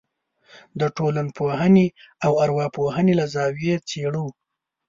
د ټولنپوهنې او ارواپوهنې له زاویې یې څېړو.